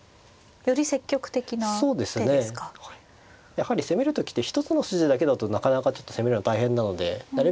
やはり攻める時って一つの筋だけだとなかなかちょっと攻めるの大変なのでなるべく